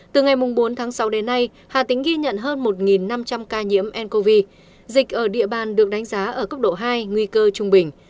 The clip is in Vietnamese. từ ngày bốn tháng sáu đến nay hà tĩnh ghi nhận hơn một năm trăm linh ca nhiễm ncov dịch ở địa bàn được đánh giá ở cấp độ hai nguy cơ trung bình